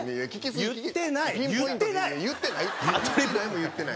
言ってない？